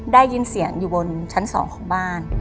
ได้ยินเสียงอยู่บนชั้น๒ของบ้าน